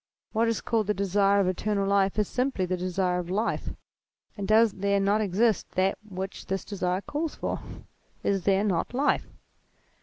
"What is called the desire of eternal life is simply the desire of life ; and does there not exist that which this desire calls for ? Is there not life